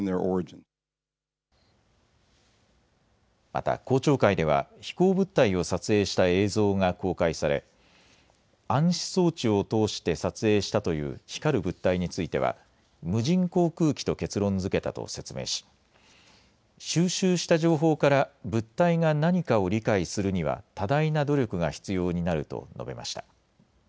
また公聴会では飛行物体を撮影した映像が公開され暗視装置を通して撮影したという光る物体については無人航空機と結論づけたと説明し、収集した情報から物体が何かを理解するには多大な努力が必要になると述べました。